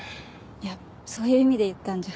いやそういう意味で言ったんじゃ。